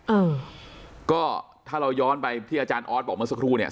เออก็ถ้าเราย้อนไปที่อาจารย์ออสบอกเมื่อสักครู่เนี้ย